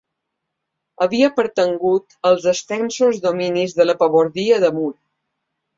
Havia pertangut als extensos dominis de la pabordia de Mur.